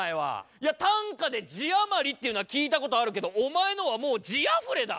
いや短歌で「字余り」っていうのは聞いたことあるけどお前のはもう「字あふれ」だ。